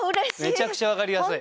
めちゃくちゃ分かりやすい。